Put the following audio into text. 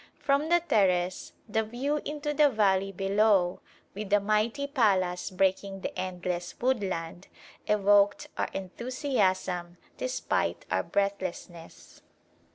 From the terrace the view into the valley below, with the mighty palace breaking the endless woodland, evoked our enthusiasm despite our breathlessness.